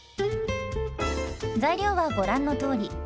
材料はご覧のとおり。